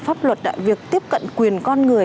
pháp luật việc tiếp cận quyền con người